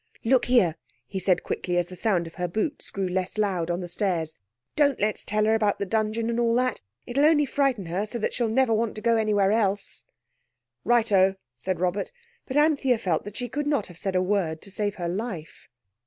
"Look here!" he said quickly, as the sound of her boots grew less loud on the stairs, "don't let's tell her about the dungeon and all that. It'll only frighten her so that she'll never want to go anywhere else." "Righto!" said Cyril; but Anthea felt that she could not have said a word to save her life.